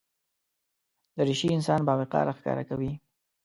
دریشي انسان باوقاره ښکاره کوي.